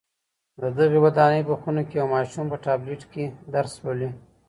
د دغي ودانۍ په خونه کي یو ماشوم په ټابلېټ کي درس لولي.